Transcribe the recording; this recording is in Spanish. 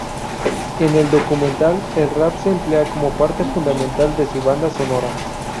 En el documental el Rap se emplea como parte fundamental de su banda sonora.